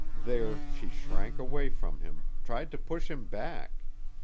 There she shrank away from him, tried to push him back.